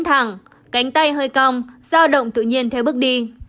thẳng cánh tay hơi cong giao động tự nhiên theo bước đi